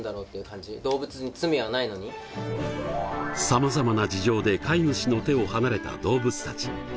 様々な事情で飼い主の手を離れた動物たち。